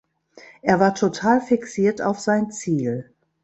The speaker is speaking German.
Er war total fixiert auf sein Ziel.